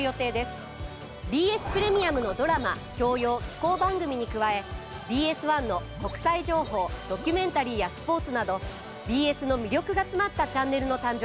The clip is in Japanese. ＢＳプレミアムのドラマ教養紀行番組に加えＢＳ１の国際情報ドキュメンタリーやスポーツなどＢＳの魅力が詰まったチャンネルの誕生です。